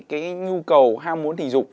cái nhu cầu ham muốn tình dục